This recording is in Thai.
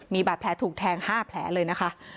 มีบาดแผลถูกแทง๕แผลเลยนะคะ